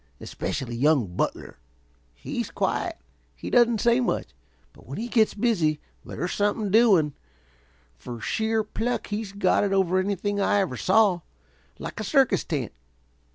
Especially young Butler. He's quiet he doesn't say much, but when he gets busy there's something doing. For sheer pluck he's got it over anything I ever saw like a circus tent.